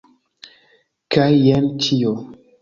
Kaj jen ĉio.